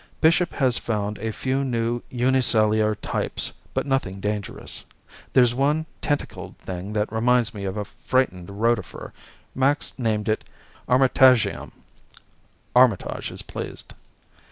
Bishop has found a few new unicellular types, but nothing dangerous. There's one tentacled thing that reminds me of a frightened rotifer. Max named it Armitagium. Armitage is pleased.